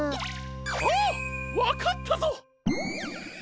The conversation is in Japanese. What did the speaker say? あっわかったぞ！